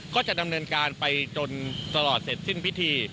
ก็จะดำเนินการไปจนตลอดเสร็จสิ้นพิธี